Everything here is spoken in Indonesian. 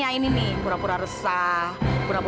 yang sempurna pun kek versus kamu gitu